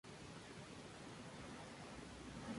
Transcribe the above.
Actualmente es entrenador del Grupo Desportivo Estoril Praia.